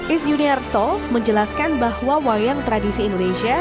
is yuniarto menjelaskan bahwa wayang tradisi indonesia